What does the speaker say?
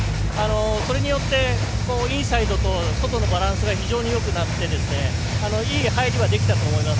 それによってインサイドと外のバランスが非常によくなっていい入りだったと思います。